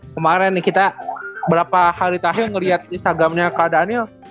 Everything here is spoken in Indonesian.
kemaren nih kita berapa hari tahlil ngeliat ini sagamnya kak daniel